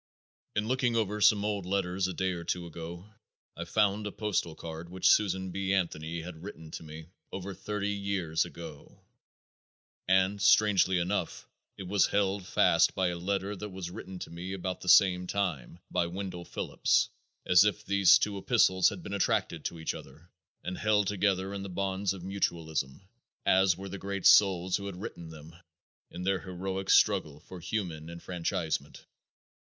In looking over some old letters a day or two ago I found a postal card which Susan B. Anthony had written to me over thirty years ago, and, strangely enough, it was held fast by a letter that was written to me about the same time by Wendell Phillips, as if these two epistles had been attracted to each other and held together in the bonds of mutualism as were the great souls who had written them in their heroic struggle for human enfranchisement.